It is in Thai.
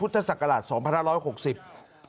คุณสิริกัญญาบอกว่า๖๔เสียง